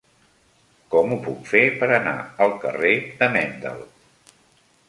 Com ho puc fer per anar al carrer de Mendel?